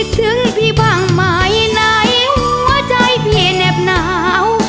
คิดถึงพี่พังหมายในหัวใจพี่แนบหนาว